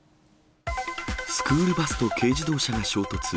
スクールバスと軽自動車が衝突。